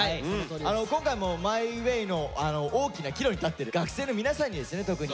今回も「ＭＹＷＡＹ」の大きな岐路に立ってる学生の皆さんにですね特に。